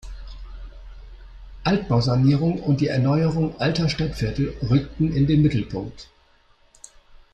Altbausanierung und die Erneuerung alter Stadtviertel rückten in den Mittelpunkt.